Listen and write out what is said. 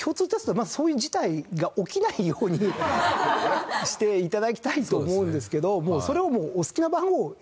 まずそういう事態が起きないようにして頂きたいと思うんですけどそれはもう。